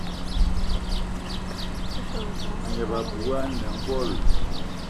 A gneb abui ane gold.